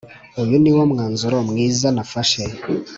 uyu ni wo mwanzuro mwiza nafashe